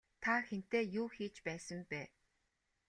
Та хэнтэй юу хийж байсан бэ?